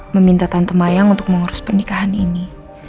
meminta tante mayang untuk mengurus pernikahan ini